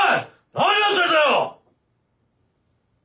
何やってんだよ！